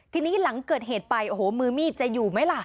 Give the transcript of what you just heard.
ทีนี้หลังเกิดเหตุไปโอ้โหมือมีดจะอยู่ไหมล่ะ